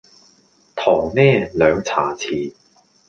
糖呢兩茶匙